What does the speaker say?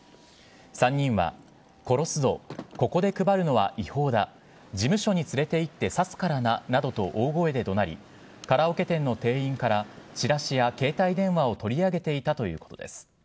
３人は殺すぞ、ここで配るのは違法だ、事務所に連れていって刺すからななどと大声でどなり、カラオケ店の店員から、チラシや携帯電話を取り上げていたということです。